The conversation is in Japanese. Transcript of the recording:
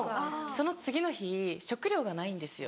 その次の日食料がないんですよ。